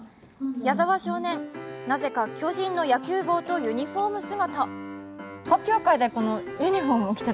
矢澤少年、なぜか巨人の野球帽とユニフォーム姿。